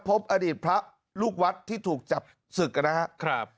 พบอดีตพระลูกวัดที่ถูกจับศึกนะครับ